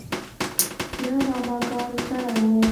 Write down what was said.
بيا ماما ګانو سره و.